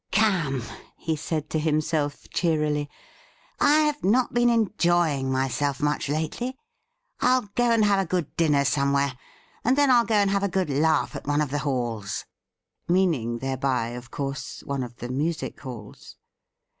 ' Come,' he said to himself cheerily ;' I have not been enjoying myself much lately. FU go and have a good dinner somewhere, and then I'll go and have a good laugh at one of the halls '— ^meaning thereby, of course, one of the music halls.